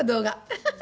ハハハ！